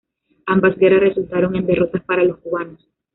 Ambas guerras resultaron en derrotas para los cubanos.